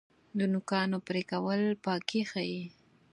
د نوکانو پرې کول پاکي ښیي.